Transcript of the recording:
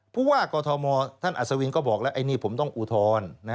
ผู้ว่ากอทมท่านอัศวินก็บอกแล้วไอ้นี่ผมต้องอุทธรณ์